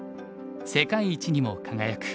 世界一にも輝く。